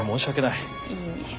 いえいえ。